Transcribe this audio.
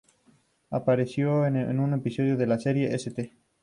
Apareció en un episodio de la serie "St.